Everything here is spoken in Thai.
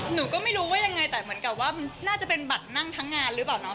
หนูก็ไม่รู้ว่ายังไงแต่เหมือนกับว่ามันน่าจะเป็นบัตรนั่งทั้งงานหรือเปล่าเนาะ